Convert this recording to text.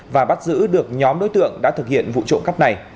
và bắt giữ được nhóm đối tượng đã thực hiện vụ trộm cắp này